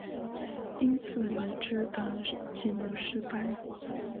因此黎质的计谋失败。